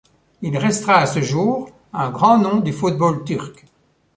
Il restera à ce jour un grand nom du football turc.